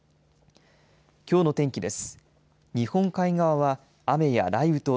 きょうの天気です。